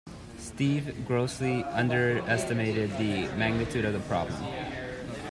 Steve grossly underestimated the magnitude of the problem.